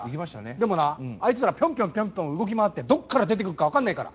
でもなあいつらピョンピョンピョンピョン動き回ってどっから出てくっか分かんないから。